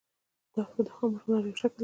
دښته د خاموش هنر یو شکل دی.